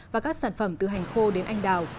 và các sản phẩm từ hành khô đến anh đào